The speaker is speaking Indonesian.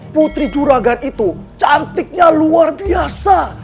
putri juragan itu cantiknya luar biasa